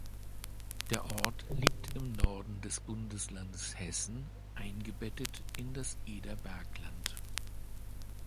Der Ort liegt im Norden des Bundeslandes Hessen, eingebettet in das Ederbergland.